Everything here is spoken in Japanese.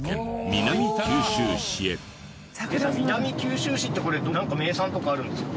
南九州市ってなんか名産とかあるんですか？